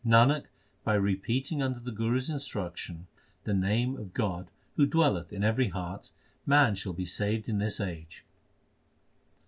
Nanak, by repeating under the Guru s instruction the name of God who dwelleth in every heart, man shall be saved in this age.